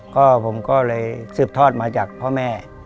ก็ผมก็เลยสืบทอดมาจากพ่อแม่